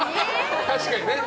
確かにね。